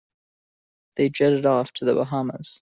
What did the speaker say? They jetted off to the Bahamas.